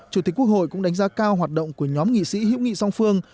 chủ tịch quốc hội cũng đánh giá cao hoạt động của nhóm nghị sĩ hữu nghị song phương